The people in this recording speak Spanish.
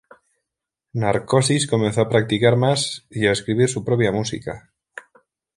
Narcosis comenzó a practicar más, y a escribir su propia música.